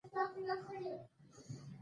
• د واورې نرمې ذرې د بدن پر مخ لګي.